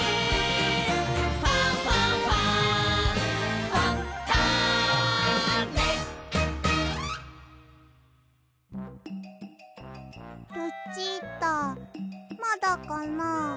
「ファンファンファン」ルチータまだかな。